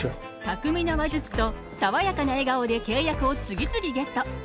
巧みな話術と爽やかな笑顔で契約を次々ゲット！